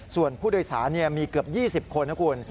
ส่วนผู้โดยสารมีเกือบ๒๐คนนะคุณ